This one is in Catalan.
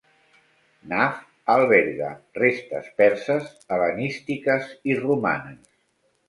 Nahf alberga restes perses, hel·lenístiques i romanes.